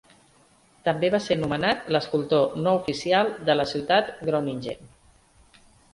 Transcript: També va ser nomenat l'escultor no oficial de la ciutat Groningen.